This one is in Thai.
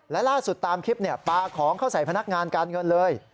และล่าสุดตามคลิปปลาของเข้าใส่พนักงานการเงินเลย